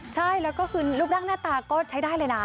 ใช่แล้วก็คือรูปร่างหน้าตาก็ใช้ได้เลยนะ